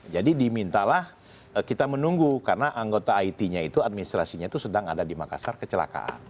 jadi dimintalah kita menunggu karena anggota itnya itu administrasinya itu sedang ada di makassar kecelakaan